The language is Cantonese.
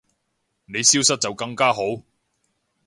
你消失就更加好